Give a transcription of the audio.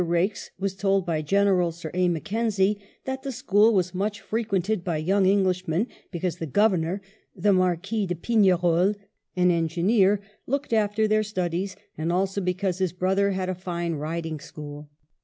Eaikes was told by General Sir A Mackenzie that the school was much frequented by young Englishmen, because the Governor, the Marquis de Pignerol, an Engineer, looked after their studies, and also because his brother had a fine riding school.